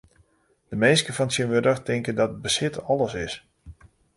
De minsken fan tsjintwurdich tinke dat besit alles is.